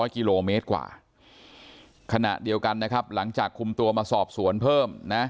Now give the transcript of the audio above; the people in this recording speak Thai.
กิโลเมตรกว่าขณะเดียวกันนะครับหลังจากคุมตัวมาสอบสวนเพิ่มนะ